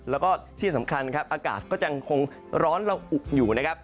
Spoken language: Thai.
แล้วก็ที่สำคัญครับอากาศก็ยังคงร้อนละอุอยู่นะครับ